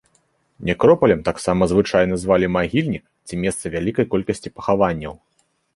Некропалем таксама звычайна звалі магільнік ці месца вялікай колькасці пахаванняў.